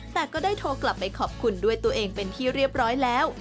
แต่ก็ได้โทรกลับไปขอบคุณด้วยตัวเองเป็นที่เรียบร้อยแล้ว